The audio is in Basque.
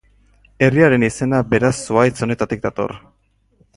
Herriaren izena beraz zuhaitz honetatik dator.